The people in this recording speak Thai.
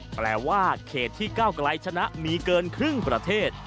แปลว่าเขตที่ก้าวไกลชนะมีเกินครึ่งประเทศ